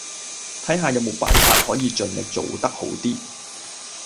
睇下有冇辦法可以盡力做得好啲